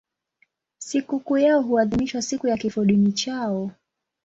Sikukuu yao huadhimishwa siku ya kifodini chao.